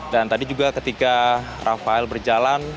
dan tadi juga ketika rafael berjalan